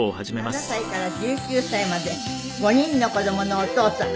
７歳から１９歳まで５人の子供のお父さん。